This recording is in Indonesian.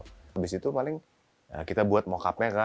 habis itu paling kita buat mock up nya kan